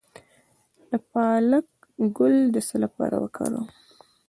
د پالک ګل د څه لپاره وکاروم؟